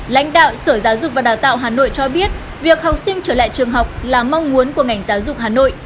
lãnh đạo sở giáo dục và đào tạo hà nội cho biết việc học sinh trở lại trường học là mong muốn của ngành giáo dục hà nội